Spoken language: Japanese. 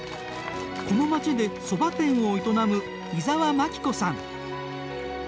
この町で、そば店を営む伊澤まき子さん。